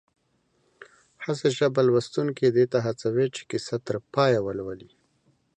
حسي ژبه لوستونکی دې ته هڅوي چې کیسه تر پایه ولولي